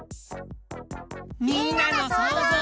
みんなのそうぞう。